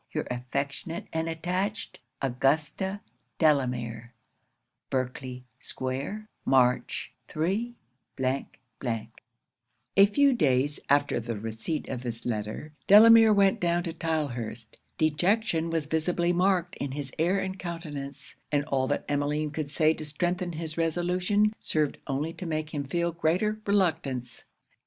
your affectionate and attached, AUGUSTA DELAMERE.' Berkley square, March 3. A few days after the receipt of this letter, Delamere went down to Tylehurst. Dejection was visibly marked in his air and countenance; and all that Emmeline could say to strengthen his resolution, served only to make him feel greater reluctance.